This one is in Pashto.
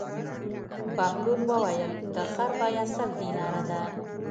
بهلول وویل: د خر بېه سل دیناره ده.